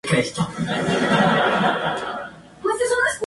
Se deriva de la casida árabe panegírico.